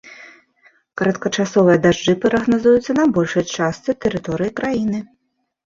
Кароткачасовыя дажджы прагназуюцца на большай частцы тэрыторыі краіны.